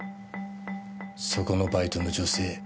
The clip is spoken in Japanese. そこのバイトの女性